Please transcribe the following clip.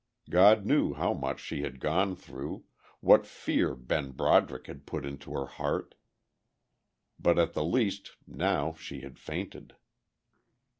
God knew how much she had gone through, what fear Ben Broderick had put into her heart. But at the least now she had fainted.